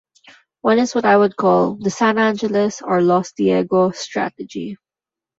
One is what I would call the San Angeles or Los Diego strategy.